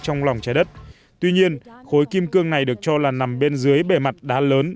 trong lòng trái đất tuy nhiên khối kim cương này được cho là nằm bên dưới bề mặt đá lớn